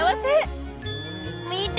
見て！